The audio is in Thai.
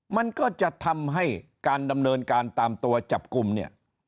มันก็จะทำให้การดำเนินการตามตัวจับกลุ่มเนี่ย